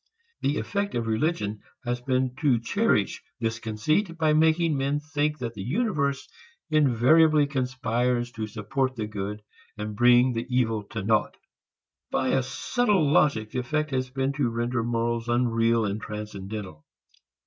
The effect of religion has been to cherish this conceit by making men think that the universe invariably conspires to support the good and bring the evil to naught. By a subtle logic, the effect has been to render morals unreal and transcendental.